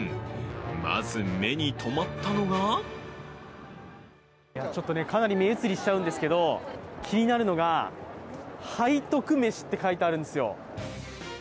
まず、目に止まったのがちょっと、かなり目移りしちゃうんですけど、気になるのが「背徳めし」って書いてあるんですすよ。